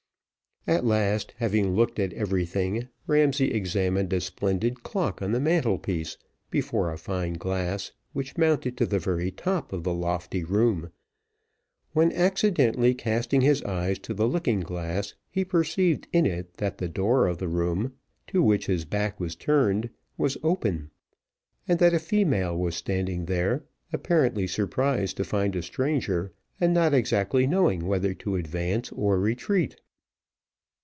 At last, having looked at everything, Ramsay examined a splendid clock on the mantelpiece, before a fine glass, which mounted to the very top of the lofty room, when, accidentally casting his eyes to the looking glass, he perceived in it that the door of the room, to which his back was turned, was open, and that a female was standing there, apparently surprised to find a stranger, and not exactly knowing whether to advance or retreat.